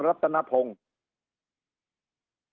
มันจบนานแล้ว